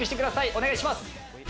お願いします。